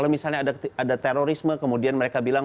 misalnya ada terorisme kemudian mereka bilang